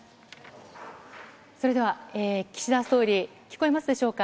それでは岸田総理、聞こえますでしょうか。